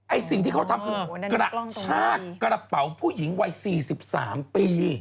สิ่งที่เขาทำคือกระชากกระเป๋าผู้หญิงวัย๔๓ปี